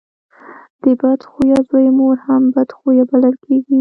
د بد خويه زوی مور هم بد خويه بلل کېږي.